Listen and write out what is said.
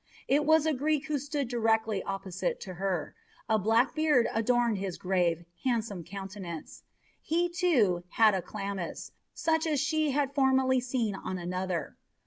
It was a Greek who stood directly opposite to her. A black beard adorned his grave, handsome countenance. He, too, had a chlamys, such as she had formerly seen on another.